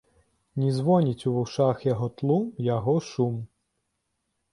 Не звоніць у вушах яго тлум, яго шум.